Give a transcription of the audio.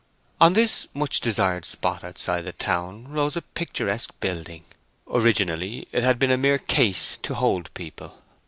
On this much desired spot outside the town rose a picturesque building. Originally it had been a mere case to hold people.